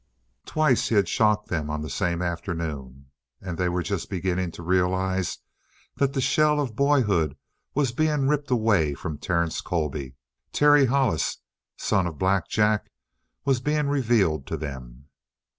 Twice he had shocked them on the same afternoon. And they were just beginning to realize that the shell of boyhood was being ripped away from Terence Colby. Terry Hollis, son of Black Jack, was being revealed to them.